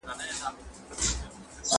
زه هره ورځ درسونه اورم!!